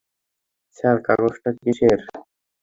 Sir কাগজটা কিসের?